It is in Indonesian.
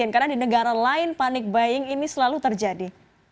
karena di negara lain panic buying ini selalu terjadi